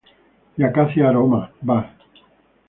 Y "Acacia aroma" var.